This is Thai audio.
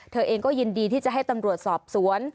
เธอเองก็ยินดีที่จะให้ตำรวจสอบสวน